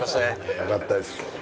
よかったです。